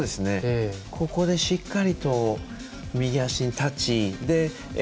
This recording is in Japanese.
ここでしっかりと右足で立って。